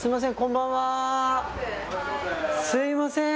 すいません